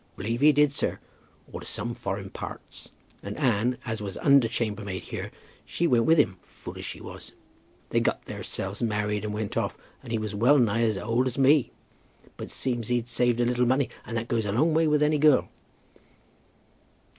"B'leve he did, sir; or to some foreign parts. And Anne, as was under chambermaid here; she went with him, fool as she was. They got theirselves married and went off, and he was well nigh as old as me. But seems he'd saved a little money, and that goes a long way with any girl."